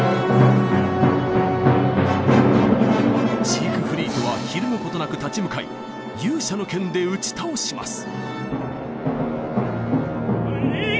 ジークフリートはひるむことなく立ち向かい勇者の剣で打ち倒します。